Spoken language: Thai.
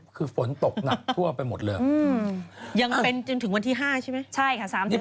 คือฝนตกหนักทั่วไปหมดเลย